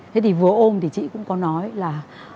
thế thì vừa ôm thì chị cũng có nói là